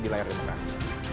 di layar demokrasi